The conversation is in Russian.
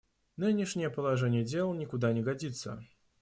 Нынешнее положение дел никуда не годится.